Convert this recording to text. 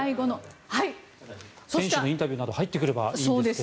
選手のインタビューなど入ってくればいいんですが。